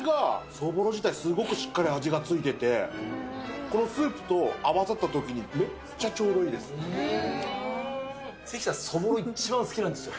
そぼろ自体、しっかり味が付いてて、このスープと合わさったときに、めっちゃ関さん、そぼろ一番好きなんですよ。